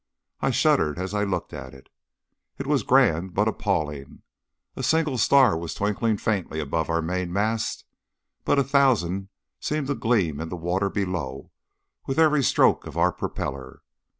I shuddered as I looked at it. It was grand but appalling. A single star was twinkling faintly above our mainmast, but a thousand seemed to gleam in the water below with every stroke of our propeller.